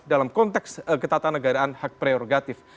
dalam konteks ketatanegaraan hak prerogatif